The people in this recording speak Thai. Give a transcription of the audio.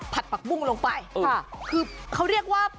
ผัดผักมุ้งเหรอ